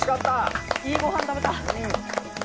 いいごはん食べた！